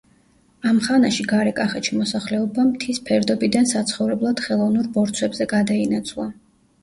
ამ ხანაში გარე კახეთში მოსახლეობამ მთის ფერდობიდან საცხოვრებლად ხელოვნურ ბორცვებზე გადაინაცვლა.